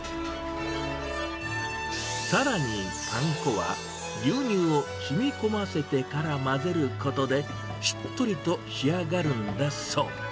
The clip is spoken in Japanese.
さらにパン粉は牛乳をしみこませてから混ぜることで、しっとりと仕上がるんだそう。